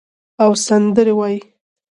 او سندرې وایې